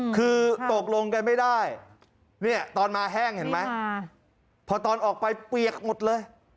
คือตกลงกันไม่ได้เนี่ยตอนมาแห้งเห็นไหมพอตอนออกไปเปียกหมดเลย